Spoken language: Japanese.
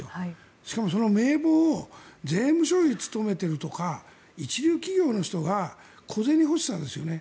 しかもその名簿を税務署に勤めているとか一流企業の人が小銭欲しさですよね。